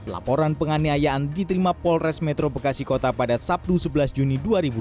laporan penganiayaan diterima polres metro bekasi kota pada sabtu sebelas juni dua ribu dua puluh